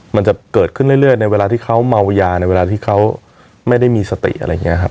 มันจะเกิดขึ้นเรื่อยในเวลาที่เขาเมายาในเวลาที่เขาไม่ได้มีสติอะไรอย่างนี้ครับ